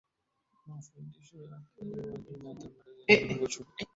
mafundisho ya kale kuwa dunia si tambarare lakini mviringo kama chungwa